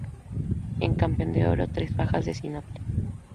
En campo de oro, tres fajas, de sínople.